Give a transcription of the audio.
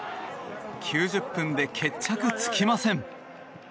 ９０分で決着つきません。